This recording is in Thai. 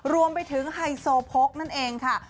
รวมไปถึงไฮโซโพกนั่นเองค่ะ